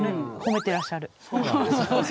あそうなんですよ。